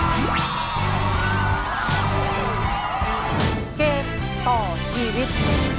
เกมต่อชีวิต